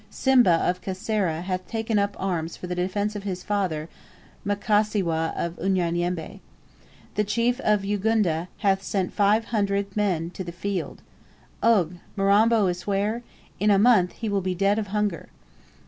Simba of Kasera hath taken up arms for the defence of his father, Mkasiwa of Unyanyembe. The chief of Ugunda hath sent five hundred men to the field. Ough Mirambo is where? In a month he will be dead of hunger."